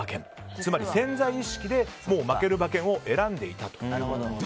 つまり潜在意識で、負ける馬券を選んでいたということです。